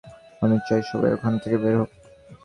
আমি চাই সবাই ওখান থেকে বের হোক!